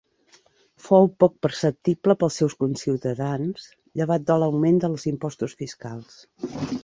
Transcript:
Fou poc perceptible pels seus conciutadans, llevat de l'augment dels impostos fiscals.